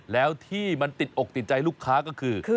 แล้วที่มันติดอกติดใจลูกค้าก็คือ